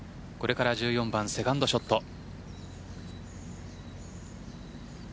これから１４番セカンドショット。